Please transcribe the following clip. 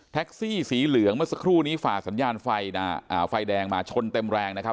แท็กซี่สีเหลืองเมื่อสักครู่นี้ฝ่าสัญญาณไฟนะอ่าไฟแดงมาชนเต็มแรงนะครับ